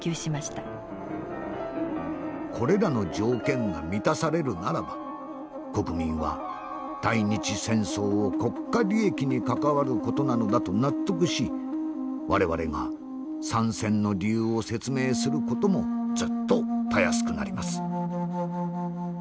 「これらの条件が満たされるならば国民は対日戦争を国家利益に関わる事なのだと納得し我々が参戦の理由を説明する事もずっとたやすくなります」。